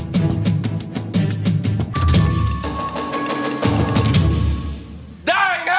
ร้องได้นะ